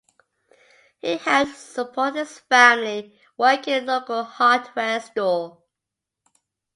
He helped support his family working in the local hardware store.